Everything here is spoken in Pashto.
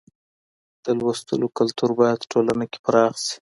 د لوستلو کلتور بايد ټولنه کې پراخ شي.